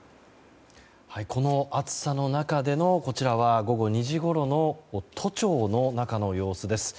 この暑さの中での午後２時ごろの都庁の中の様子です。